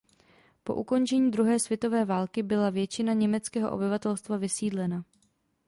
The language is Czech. Po ukončení druhé světové války byla většina německého obyvatelstva vysídlena.